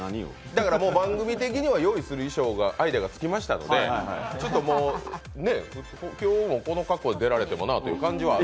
だからもう、番組的には用意する衣装のアイデアが尽きましたので、今日もこの格好で出られてもなあという感じが。